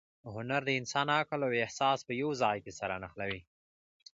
هنر د انسان عقل او احساس په یو ځای کې سره نښلوي.